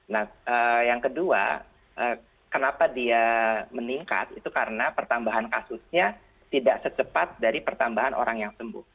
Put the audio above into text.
nah yang kedua kenapa dia meningkat itu karena pertambahan kasusnya tidak secepat dari pertambahan orang yang sembuh